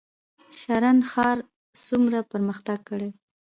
شرن ښار څومره پرمختګ کړی؟